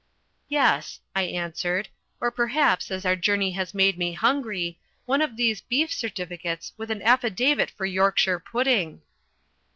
"Yes," I answered, "or perhaps, as our journey has made me hungry, one of these beef certificates with an affidavit for Yorkshire pudding."